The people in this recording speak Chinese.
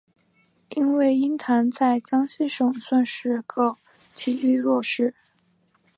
因为鹰潭在江西省算是个体育弱市。